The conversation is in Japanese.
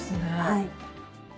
はい。